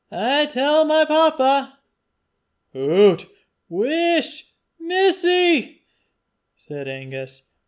I'll tell my papa." "Hoots! whisht, missie!" said Angus.